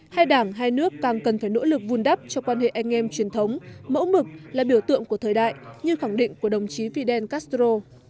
hai đảng hai nước càng cần phải nỗ lực vun đắp cho quan hệ anh em truyền thống mẫu mực là biểu tượng của thời đại như khẳng định của đồng chí fidel castro